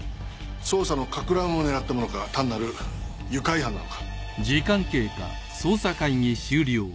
捜査のかく乱を狙ったものか単なる愉快犯なのか。